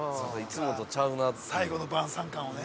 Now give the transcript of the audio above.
最後の晩餐感をね。